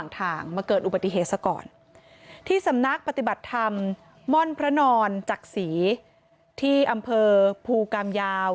ทางมาเกิดอุบัติเหตุซะก่อนที่สำนักปฏิบัติธรรมม่อนพระนอนจักษีที่อำเภอภูกรรมยาว